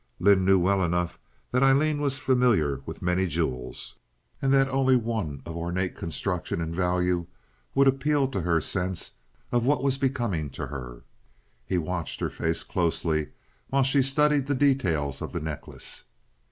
Lynde knew well enough that Aileen was familiar with many jewels, and that only one of ornate construction and value would appeal to her sense of what was becoming to her. He watched her face closely while she studied the details of the necklace.